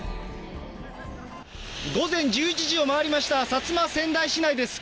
午前１１時を回りました、薩摩川内市内です。